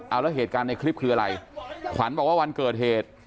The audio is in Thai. เอาแล้วเหตุการณ์ในคลิปคืออะไรขวัญบอกว่าวันเกิดเหตุ